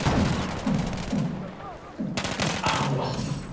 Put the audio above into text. ああもうばっちり！